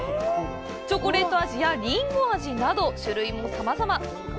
チョコレート味やりんご味など、種類もさまざま！